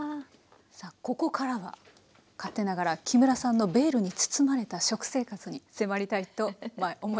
さあここからは勝手ながら木村さんのベールに包まれた食生活に迫りたいと思います。